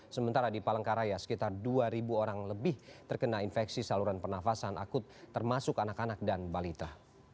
sementara di palangkaraya sekitar dua orang lebih terkena infeksi saluran pernafasan akut termasuk anak anak dan balita